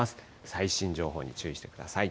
最新情報に注意してください。